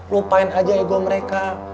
lupain aja ego mereka